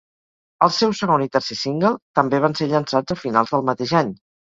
El seu segon i tercer single, també van ser llençats a finals del mateix any.